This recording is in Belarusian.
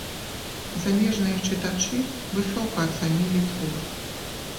Замежныя чытачы высока ацанілі твор.